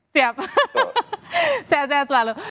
siap sehat sehat selalu